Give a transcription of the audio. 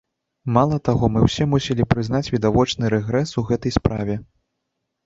Мала таго, мы ўсе мусілі прызнаць відавочны рэгрэс у гэтай справе.